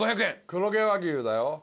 黒毛和牛だよ。